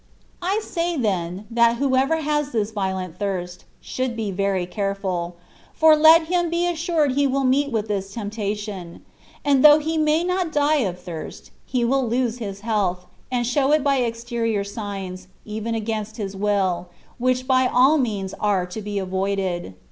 I say then that whoever has this violent thirsty should be very careful^ for let him be assured he will meet with this temptation; and though he may not die of thirsty he will lose his healthy and show it by exterior signs^ even against his will^ which by all means are to be avoided.